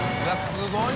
すごい！